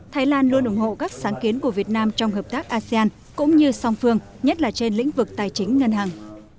thái lan luôn ủng hộ các sáng kiến của việt nam trong hợp tác asean cũng như song phương nhất là trên lĩnh vực tài chính ngân hàng